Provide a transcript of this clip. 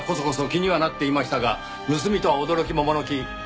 気にはなっていましたが盗みとは驚き桃の木。